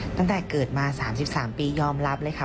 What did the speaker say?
ตั้งแต่เกิดมา๓๓ปียอมรับเลยค่ะ